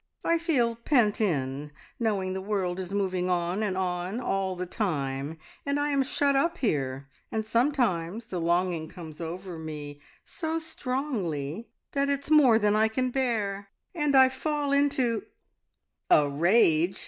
I feel pent in, knowing the world is moving on and on, all the time, and I am shut up here, and sometimes the longing comes over me so strongly that it's more than I can bear, and I fall into " "A rage!"